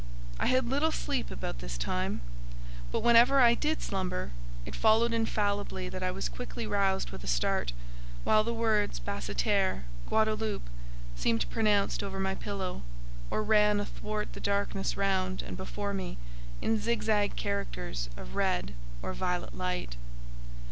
I had little sleep about this time, but whenever I did slumber, it followed infallibly that I was quickly roused with a start, while the words "Basseterre," "Guadaloupe," seemed pronounced over my pillow, or ran athwart the darkness round and before me, in zigzag characters of red or violet light.